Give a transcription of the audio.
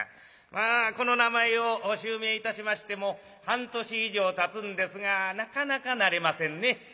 まあこの名前を襲名いたしましても半年以上たつんですがなかなか慣れませんね。